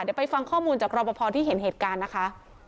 เดี๋ยวไปฟังข้อมูลจากรอปภที่เห็นเหตุการณ์นะคะ